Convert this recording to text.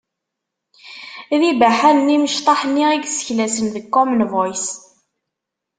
D ibaḥanen yimecṭaḥ-nni i yesseklasen deg common voice.